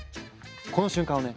この瞬間をね